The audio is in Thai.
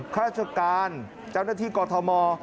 ราชการเจ้าหน้าที่กอทม